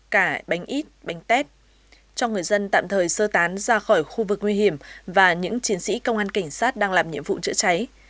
cả bánh ít bánh tét cho người dân tạm thời sơ tán ra khỏi khu vực nguy hiểm và những chiến sĩ công an cảnh sát đang làm nhiệm vụ chữa cháy